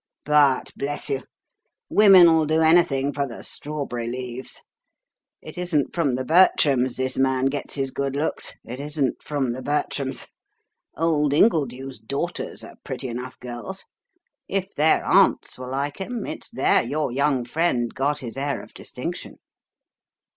But, bless you, women 'll do anything for the strawberry leaves. It isn't from the Bertrams this man gets his good looks. It isn't from the Bertrams. Old Ingledew's daughters are pretty enough girls. If their aunts were like 'em, it's there your young friend got his air of distinction."